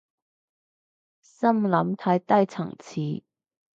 心諗太低層次